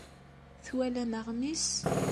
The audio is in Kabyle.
Twalam aɣmis?